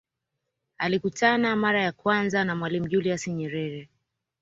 Alikutana mara ya kwanza na Mwalimu Julius Nyerere